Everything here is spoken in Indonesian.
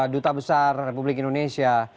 duta besar republik indonesia